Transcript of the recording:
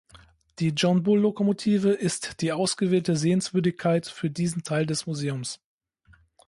Die John Bull Lokomotive ist die ausgewählte Sehenswürdigkeit für diesen Teil des Museums.